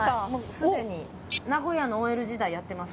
既に名古屋のＯＬ時代やってます